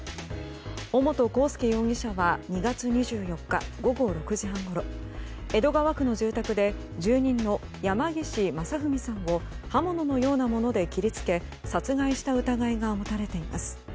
尾本幸祐容疑者は２月２４日、午後６時半ごろ江戸川区の住宅で住人の山岸正文さんを刃物のようなもので切りつけ殺害した疑いが持たれています。